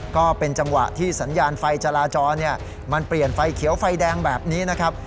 ก็เป็นจังหวะที่สัญญาณไฟจราจรมันเปลี่ยนไฟเขียวไฟแดงแบบนี้นะครับ